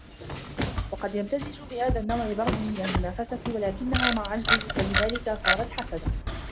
وَقَدْ يَمْتَزِجُ بِهَذَا النَّوْعِ ضَرْبٌ مِنْ الْمُنَافَسَةِ وَلَكِنَّهَا مَعَ عَجْزٍ فَلِذَلِكَ صَارَتْ حَسَدًا